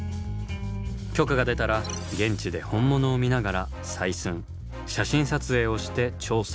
許可が出たら現地で本物を見ながら採寸・写真撮影をして調査。